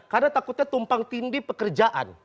karena takutnya tumpang tindi pekerjaan